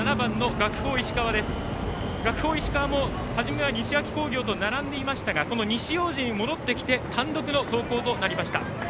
学法石川も始めは西脇工業と並んでいましたがこの西大路に戻ってきて、単独の走行となりました。